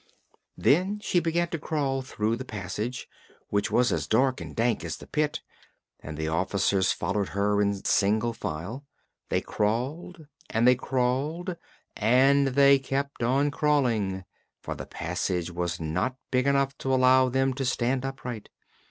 Then she began to crawl through the passage, which was as dark and dank as the pit, and the officers followed her in single file. They crawled, and they crawled, and they kept on crawling, for the passage was not big enough to allow them to stand upright.